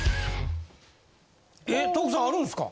え徳さんあるんですか？